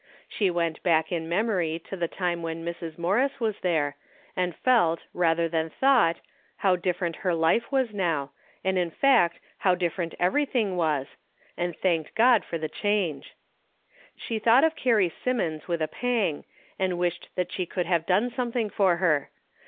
She went back in memory to the time when Mrs. Morris was there, and felt, rather than thought, how different her life was now, and in fact how 340 A DAILY EATE.''> different everything was, and thanked God for the change. She thought of Carrie Simmons with a pang, and wished that she could have done something for her.